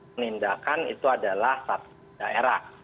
menindakan itu adalah satgas daerah